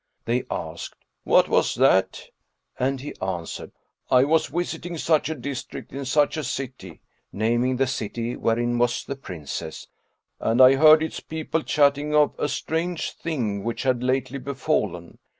They asked, "What was that?" and he answered, "I was visiting such a district in such a city (naming the city wherein was the Princess), and I heard its people chatting of a strange thing which had lately befallen.